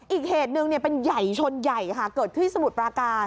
อีกเหตุหนึ่งเป็นใหญ่ชนใหญ่ค่ะเกิดที่สมุทรปราการ